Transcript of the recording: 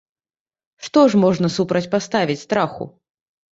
Што ж можна супрацьпаставіць страху?